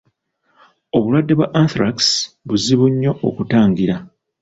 Obulwadde bwa Anthrax buzibu nnyo okutangira.